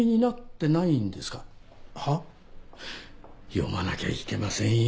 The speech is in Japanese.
読まなきゃいけませんよ